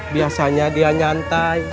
biasanya dia nyantai